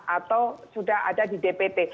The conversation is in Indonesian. atau sudah ada di dpt